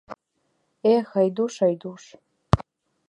— Эх, Айдуш, Айдуш!..